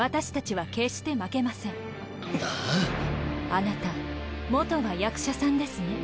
あなた元は役者さんですね？